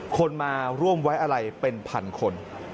คนมาร่วมไว้อะไรเป็นพันคน